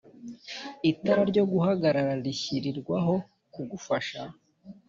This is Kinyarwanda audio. Itara ryo guhagarara rishyirirwaho kugufasha